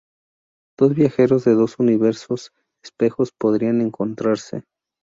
Dos viajeros de dos universos espejos podrían encontrarse.